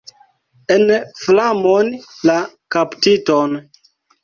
En flamon la kaptiton!